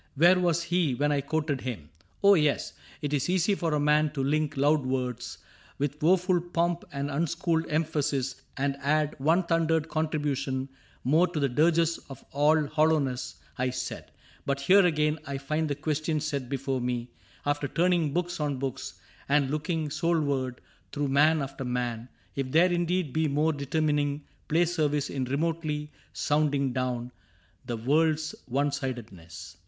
Where was he when I quoted him ?— oh, yes : 'T is easy for a man to link loud words With woeful pomp and unschooled emphasis And add one thundered contribution more To the dirges of all hollowness, I said ; But here again I find the question set Before me, after turning books on books And looking soulward through man after man, If there indeed be more determining Play service in remotely sounding down The world's one sidedness.